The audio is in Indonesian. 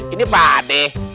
ini pak adeh